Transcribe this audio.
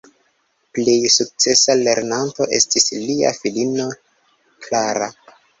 Plej sukcesa lernanto estis lia filino Clara.